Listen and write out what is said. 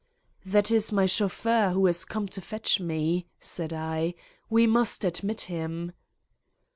"That is my chauffeur, who has come to fetch me," said I: "we must admit him."